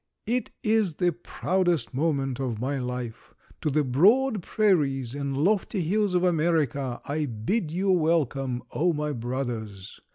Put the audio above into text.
It is the proudest moment of my life. To the broad prairies and lofty hills of America I bid you welcome, O, my brothers!